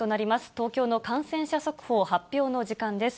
東京の感染者速報発表の時間です。